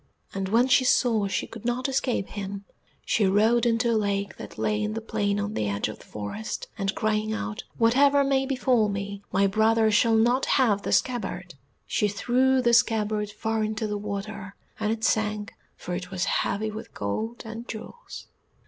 And when she saw she could not escape him, she rode into a lake that lay in the plain on the edge of the forest, and, crying out, "Whatever may befall me, my brother shall not have the scabbard," she threw the scabbard far into the water, and it sank, for it was heavy with gold and jewels.